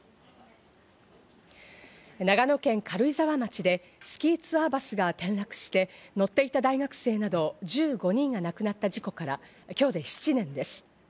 長野県軽井沢町でスキーツアーバスが転落して乗っていた大学生など１５人が亡くなった事故から今日で７年です。